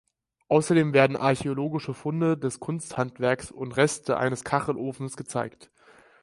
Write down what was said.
Außerdem werden archäologische Funde des Kunsthandwerks und Reste eines Kachelofens gezeigt.